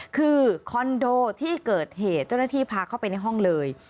คือคอนโดที่เกิดเหตุเจ้าหน้าที่พาเข้าไปในห้องเลย